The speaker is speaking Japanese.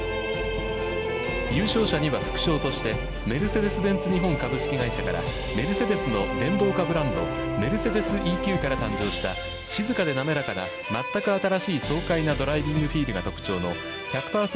優勝者には副賞としてメルセデス・ベンツ日本株式会社からメルセデスの電動化ブランド「Ｍｅｒｃｅｄｅｓ−ＥＱ」から誕生した静かで滑らかな全く新しい爽快なドライビングフィールが特徴の１００％